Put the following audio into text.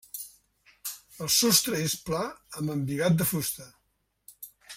El sostre és pla amb embigat de fusta.